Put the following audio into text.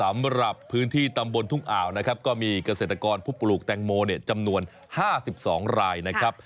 สำหรับพื้นที่ตำบลทุ่งอ่าวนะครับก็มีเกษตรกรผู้ปลูกแตงโมเนี่ยจำนวน๕๒รายนะครับ